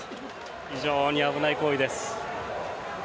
非常に危ない行為です。